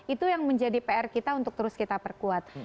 itu yang menjadi pr kita untuk terus kita perkuat